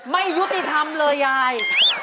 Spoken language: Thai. ไม่ยุติธรรมเลยยาย